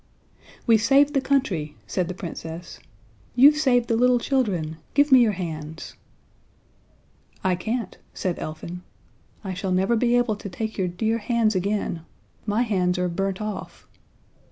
"We've saved the country," said the Princess. "You've saved the little children. Give me your hands." "I can't," said Elfin. "I shall never be able to take your dear hands again. My hands are burnt off."